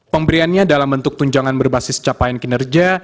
pemberiannya dalam bentuk tunjangan berbasis capaian kinerja